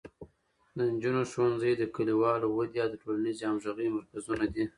د نجونو ښوونځي د کلیوالو ودې او د ټولنیزې همغږۍ مرکزونه دي.